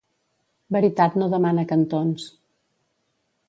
Veritat no demana cantons.